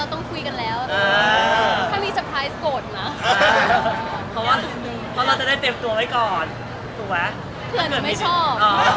แล้วแม่แก้วแม่แก้วเค้าพูดต้อนรับเรายังไงบ้างในฐานะวัดอีกสักวัน